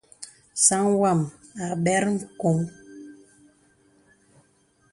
Sāŋ wam a bɛr ŋ̀koŋ.